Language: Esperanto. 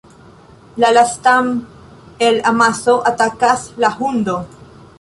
La lastan el amaso atakas la hundo.